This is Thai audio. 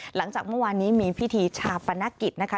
หลังจากเมื่อวานนี้มีพิธีชาปนกิจนะคะ